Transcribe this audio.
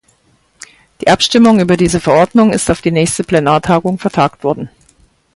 Die Abstimmung über diese Verordnung ist auf die nächste Plenartagung vertragt worden.